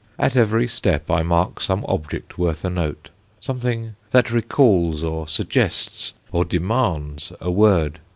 At every step I mark some object worth a note, something that recalls, or suggests, or demands a word.